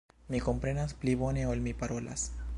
Mi komprenas pli bone ol mi parolas.